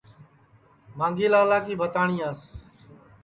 مانگھی لالا کی بھتاٹؔیاس